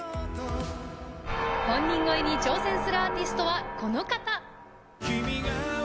本人超えに挑戦するアーティストはこの方。